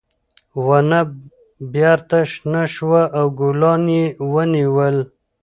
ونه بېرته شنه شوه او ګلان یې ونیول.